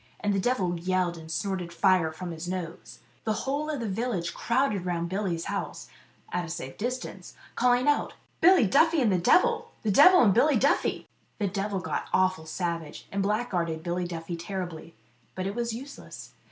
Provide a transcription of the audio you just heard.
And the devil yelled, and snorted fire from his nose. The whole of the village crowded round Billy's house at a safe distance calling out, "Billy and the devil ! The devil and Billy Duffy !" The devil got awful savage, and blackguarded Billy Duffy terribly ; but it was useless.